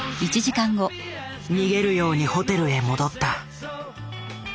逃げるようにホテルへ戻った。